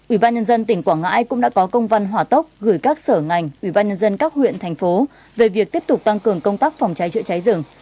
ủy ban nhân dân tỉnh quảng ngãi cũng đã có công văn hỏa tốc gửi các sở ngành ủy ban nhân dân các huyện thành phố về việc tiếp tục tăng cường công tác phòng cháy chữa cháy rừng